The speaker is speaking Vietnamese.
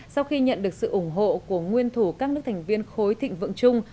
sau khi nhận được sự ủng hộ của nguyên thủ các nước thành viên khối thịnh vượng chung